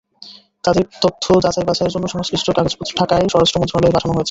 তাদের তথ্য যাচাই-বাছাইয়ের জন্য সংশ্লিষ্ট কাগজপত্র ঢাকায় স্বরাষ্ট্র মন্ত্রণালয়ে পাঠানো হয়েছে।